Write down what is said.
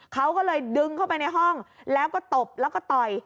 เขาก็เลยดึงเข้าไปในห้องแล้วก็ตบแล้วก็ต่อย